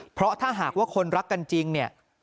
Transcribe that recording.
เพราะถ้าหากว่าคนรักกันจริงเนี่ย